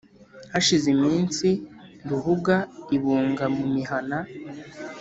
Hashize iminsi Ruhuga ibunga mu mihana